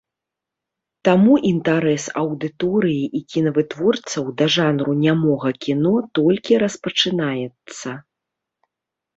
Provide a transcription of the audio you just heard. Таму інтарэс аўдыторыі і кінавытворцаў да жанру нямога кіно толькі распачынаецца.